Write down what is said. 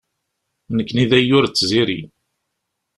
Nekni d ayyur d tziri.